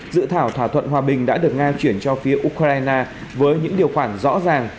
dự thảo thỏa thuận hòa bình đã được nga chuyển cho phía ukraine với những điều khoản rõ ràng